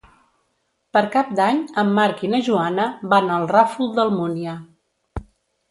Per Cap d'Any en Marc i na Joana van al Ràfol d'Almúnia.